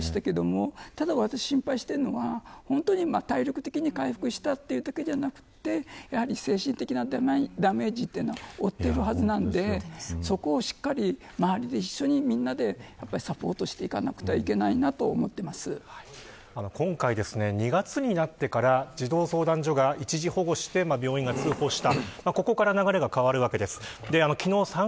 今この子回復して元気に走り回っているという話でしたけれどもただ、私が心配しているのは体力的に回復したというだけじゃなくて精神的なダメージは負っているはずなのでそこをしっかり、周りで一緒にみんなでサポートしていかなくてはいけないなと今回２月になってから児童相談所が一時保護して病院が通報した。